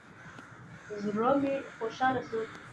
زړه مې خوشاله سو.